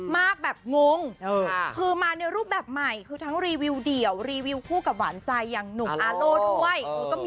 แบบงงคือมาในรูปแบบใหม่คือทั้งรีวิวเดี่ยวรีวิวคู่กับหวานใจอย่างหนุ่มอาโล่ด้วย